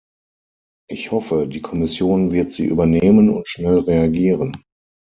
Ich hoffe, die Kommission wird sie übernehmen und schnell reagieren.